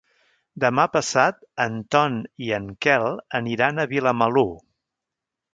Demà passat en Ton i en Quel aniran a Vilamalur.